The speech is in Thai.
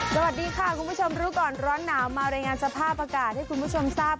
สวัสดีค่ะคุณผู้ชมรู้ก่อนร้อนหนาวมารายงานสภาพอากาศให้คุณผู้ชมทราบ